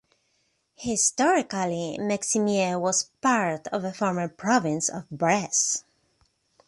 Historically, Meximieux was part of the former province of Bresse.